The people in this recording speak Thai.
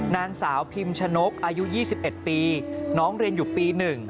นางสาวพิมชนกอายุ๒๑ปีน้องเรียนอยู่ปี๑